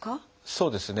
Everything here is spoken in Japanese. そうですね。